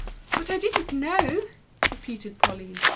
"But I didn't know," repeated Pauline.